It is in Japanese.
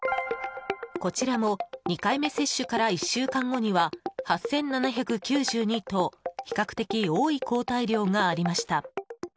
こちらも２回目接種から１週間後には８７９２と比較的多い抗体量がありました。